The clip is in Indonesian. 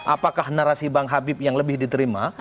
apakah narasi bang habib yang lebih diterima